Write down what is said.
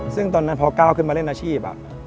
ซึ่งตอนนั้นพอก้าวขึ้นมาเล่นอาชีพ